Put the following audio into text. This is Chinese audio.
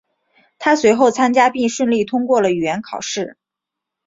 他随后参加并顺利通过了语言考试。